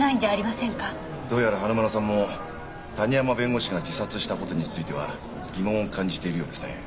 どうやら花村さんも谷浜弁護士が自殺した事については疑問を感じてるようですね。